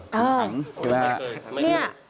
ครับให้ดูเนี่ย